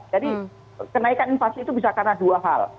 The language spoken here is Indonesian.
jadi kenaikan inflasi itu bisa karena dua hal